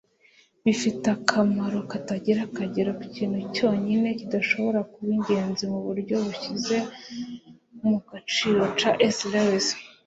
bifite akamaro katagira akagero ikintu cyonyine kidashobora kuba ingenzi mu buryo bushyize mu gaciro - c s lewis